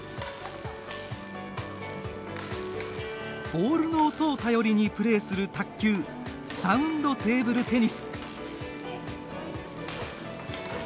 ボールの音を頼りにプレーする卓球、サウンドテーブルテニス。